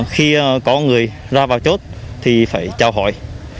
khi có người ra vào chốt thì phải trao hỏi